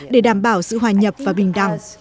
để đảm bảo sự hòa nhập và bình đẳng